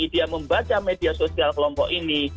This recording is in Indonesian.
dia membaca media sosial kelompok ini